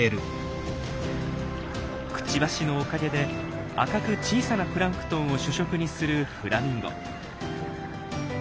クチバシのおかげで赤く小さなプランクトンを主食にするフラミンゴ。